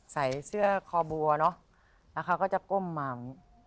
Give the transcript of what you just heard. ใส่เสื้อคอบัวเนอะแล้วเขาก็จะก้มมา